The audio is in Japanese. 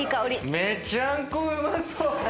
めちゃんこうまそう。